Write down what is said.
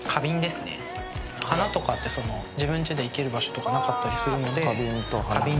花とかって自分ちで生ける場所とかなかったりするので花瓶で。